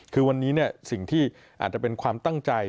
คือวันนี้สิ่งที่อาจจะเป็นความตั้งใจ